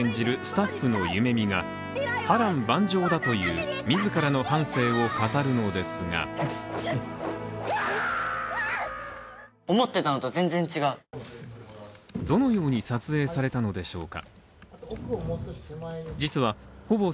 演じるスタッフのユメミが波乱万丈だという自らの半生を語るのですが、どのように撮影されたのでしょうか